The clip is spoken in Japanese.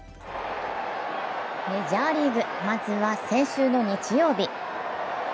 メジャーリーグ、まずは先週の日曜日。